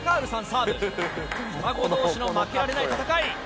サーブ双子同士の負けられない戦い。